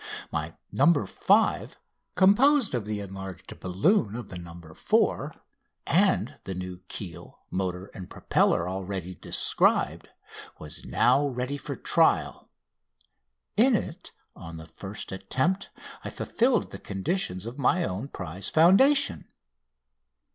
My "No. 5" composed of the enlarged balloon of the "No. 4" and the new keel, motor, and propeller already described was now ready for trial. In it, on the first attempt, I fulfilled the conditions of my own prize foundation.